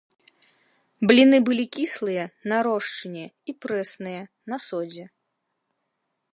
Бліны былі кіслыя, на рошчыне, і прэсныя, на содзе.